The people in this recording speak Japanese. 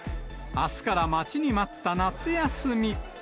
あすから待ちに待った夏休み。